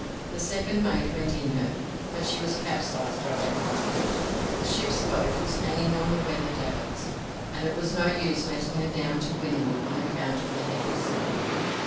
The second mate went in her, but she was capsized directly. The ship's boat was hanging on the weather davits, and it was no use letting her down to windward on account of the heavy sea.